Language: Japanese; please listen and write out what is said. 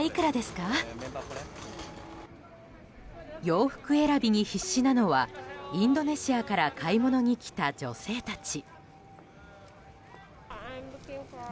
洋服選びに必死なのはインドネシアから買い物に来た女性たち。